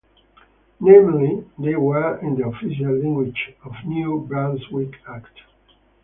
Namely, they were in the Official Languages of New Brunswick Act.